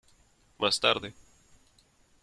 Más tarde.